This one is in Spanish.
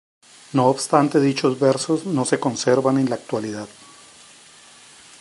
No obstante, dichos versos no se conservan en la actualidad.